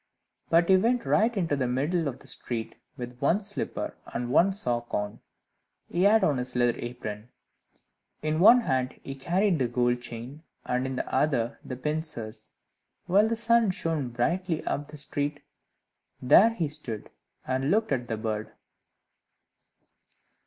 But he went right into the middle of the street, with one slipper and one sock on; he had on his leather apron; in one hand he carried the gold chain, and in the other the pincers, while the sun shone brightly up the street. There he stood, and looked at the bird.